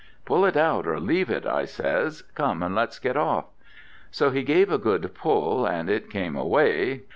'Pull it out or leave it,' I says, 'Come and let's get off.' So he gave a good pull, and it came away.